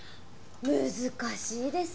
難しいです。